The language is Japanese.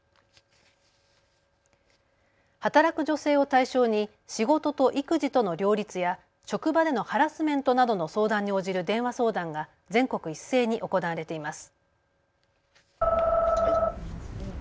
働く女性を対象に仕事と育児との両立や職場でのハラスメントなどの相談に応じる電話相談が全国一斉に行われています。